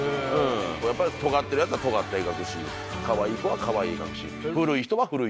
やっぱりとがってるやつはとがった絵描くしカワイイ子はカワイイ絵描くし。